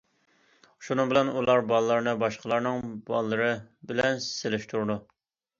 شۇنىڭ بىلەن ئۇلار بالىلىرىنى باشقىلارنىڭ بالىلىرى بىلەن سېلىشتۇرىدۇ.